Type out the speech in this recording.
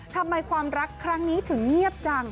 ความรักครั้งนี้ถึงเงียบจัง